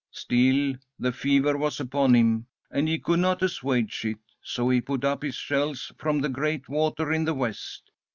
"Still the fever was upon him, and he could not assuage it, so he put up his shells from the Great Water in the west.